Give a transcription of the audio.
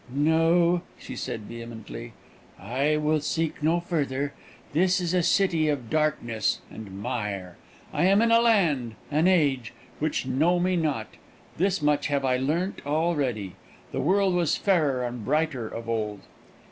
"No," she said, vehemently; "I will seek no further. This is a city of darkness and mire. I am in a land, an age, which know me not: this much have I learnt already. The world was fairer and brighter of old!"